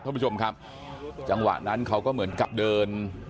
ท่านผู้ชมครับจังหวะนั้นเขาก็เหมือนกับเดิน